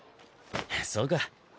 そうか。